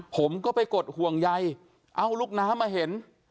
ผมก็ไปกดห่วงใยเอาลูกน้ำมาเห็น